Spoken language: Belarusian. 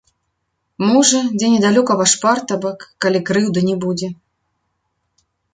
Можа, дзе недалёка ваш партабак, калі крыўды не будзе.